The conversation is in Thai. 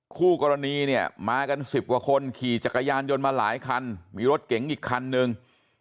คู่กรณีเนี่ยมากัน๑๐กว่าคนขี่จักรยานยนต์มาหลายคันมีรถเก๋งอีกคันนึง